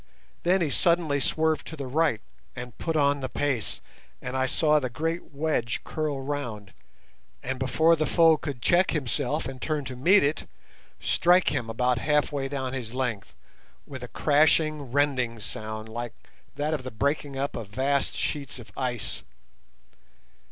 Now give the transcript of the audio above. Then he suddenly swerved to the right and put on the pace, and I saw the great wedge curl round, and before the foe could check himself and turn to meet it, strike him about halfway down his length, with a crashing rending sound, like that of the breaking up of vast sheets of ice.